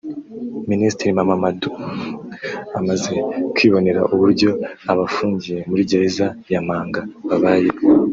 Minisitiri Mamadou amaze kwibonera uburyo abafungiye muri Gereza ya Mpanga babayeho